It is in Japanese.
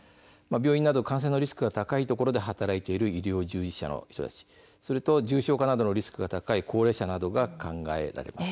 病院など感染のリスクが高いところで働いている医療従事者の人たち重症化リスクが高い高齢者の人たちなどが考えられます。